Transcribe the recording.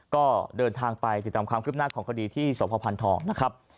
ก็เดินทางไปติดตามความคืบหน้าของคดีที่สพพันธองนะครับ